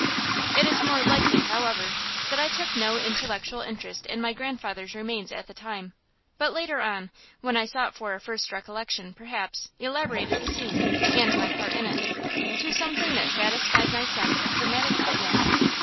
It is more likely, however, that I took no intellectual interest in my grandfather's remains at the time, but later on, when I sought for a First Recollection, perhaps, elaborated the scene, and my part in it, to something that satisfied my sense of dramatic fitness.